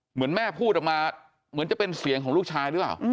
เหมือนแม่พูดออกมาเหมือนจะเป็นเสียงของลูกชายหรือเปล่า